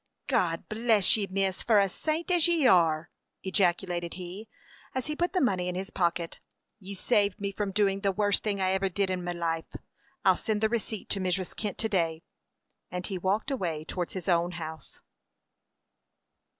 "God bless you, miss, for a saint as ye are!" ejaculated he, as he put the money in his pocket. "Ye saved me from doing the worst thing I ever did in me life. I'll send the receipt to Mrs. Kent to day;" and he walked away towards his own house.